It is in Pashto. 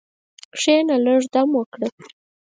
کښېنه، لږ دم وکړه.